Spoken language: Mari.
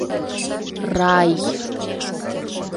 Р-рай!